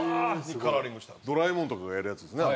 ドラえもんとかがやるやつですね。